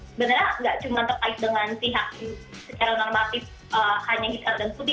sebenarnya tidak cuma terkait dengan si hakim secara normatif hanya icpr dan kudi